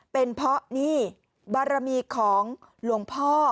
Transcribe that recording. เป็นเพราะนี่บารมีของหลวงพ่อ